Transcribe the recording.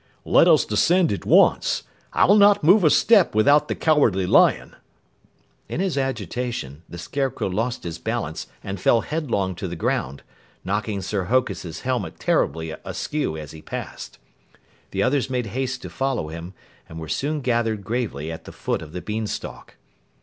"Let us descend at once, I'll not move a step without the Cowardly Lion!" In his agitation, the Scarecrow lost his balance and fell headlong to the ground, knocking Sir Hokus's helmet terribly askew as he passed. The others made haste to follow him and were soon gathered gravely at the foot of the beanstalk.